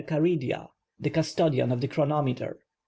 Caridia, the custodian of the chronometer.